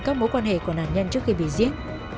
các mối quan hệ của nạn nhân trước khi bị giết